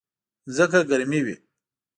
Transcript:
ځکه ګرمي وي.